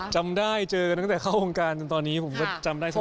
จำได้เจอกันตั้งแต่เข้าวงการจนตอนนี้ผมก็จำได้ใช่ไหม